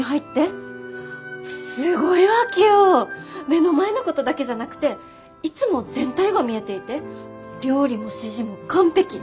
目の前のことだけじゃなくていつも全体が見えていて料理も指示も完璧。